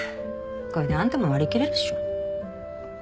これであんたも割り切れるでしょ。